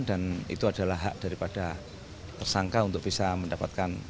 dan itu adalah hak daripada tersangka untuk bisa mendapatkan